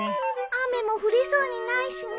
雨も降りそうにないしね。